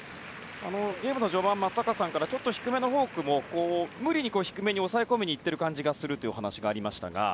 ゲームの序盤から低めのフォークも無理に低めに抑え込みにいっている感じがするというお話がありましたが。